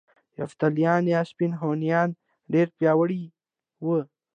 یفتلیان یا سپین هونیان ډیر پیاوړي وو